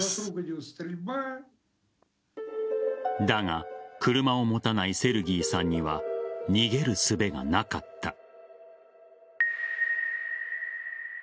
だが、車を持たないセルギーさんには逃げるすべがなかった。